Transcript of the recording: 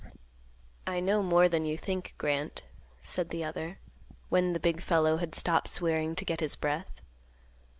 "I know more than you think, Grant," said the other, when the big fellow had stopped swearing to get his breath.